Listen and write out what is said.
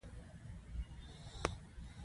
که نښانونه او لوګو یا بیرغونه بدلېږي.